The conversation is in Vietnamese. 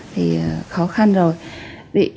thì khó khăn rồi